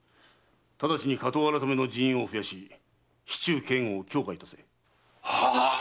ただちに火盗改の人員を増やし市中警護を強化いたせ。ははーっ！